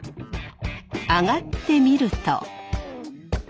上がってみると。